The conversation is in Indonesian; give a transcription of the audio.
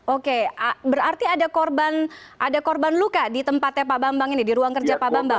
oke berarti ada korban luka di tempatnya pak bambang ini di ruang kerja pak bambang